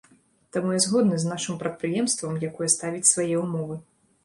Таму я згодны з нашым прадпрыемствам, якое ставіць свае ўмовы.